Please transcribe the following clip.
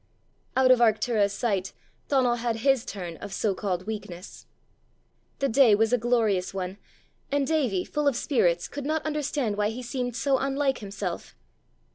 Out of Arctura's sight Donal had his turn of so called weakness! The day was a glorious one, and Davie, full of spirits, could not understand why he seemed so unlike himself.